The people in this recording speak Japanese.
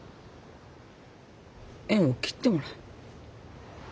縁を切ってもらう。